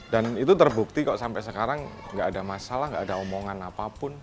dan itu terbukti kok sampai sekarang tidak ada masalah tidak ada omongan apapun